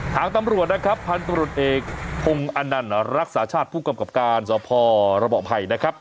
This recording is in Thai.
ทางตำรวจนะครับพันธุรกิจเอกพงศ์อนันต์รักษาชาติผู้กำกับการสพระเบาะภัยนะครับ